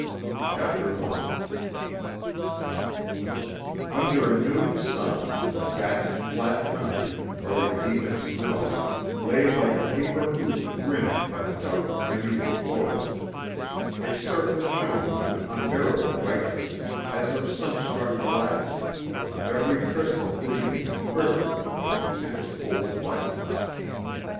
CHAPTER I Under a noon sun the vast, flat country, buried deep in snow, lay like a paper hoop rimmed by the dark primeval forest; its surface shone with an unbearable brightness as of sun struck glass, every crystal gleaming and quivering with intense cold light.